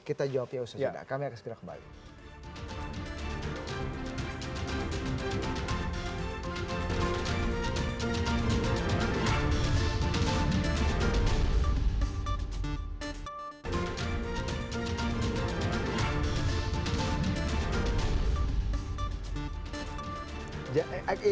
kita jawab ya ustaz yuda kami akan segera kembali